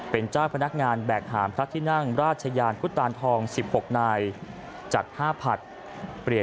เป็นจ้างพนักงานแบกหามพระธินั่งราชญานพุทธธารทอง๑๖นาย